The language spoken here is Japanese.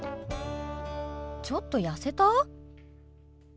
ちょっと痩せた？